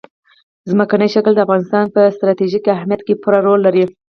ځمکنی شکل د افغانستان په ستراتیژیک اهمیت کې پوره رول لري.